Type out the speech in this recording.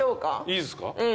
いいですか？